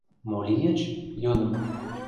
— Мо лийыч? — йодым.